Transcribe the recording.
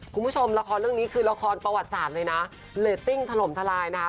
คุณผู้ชมละครเรื่องนี้คือละครประวัติศาสตร์เลยนะเรตติ้งถล่มทลายนะคะ